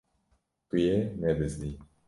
Tu yê nebizdî.